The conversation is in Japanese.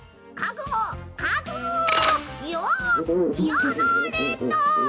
「やられた！」。